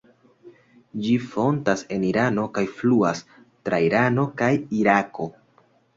Ĝi fontas en Irano kaj fluas tra Irano kaj Irako.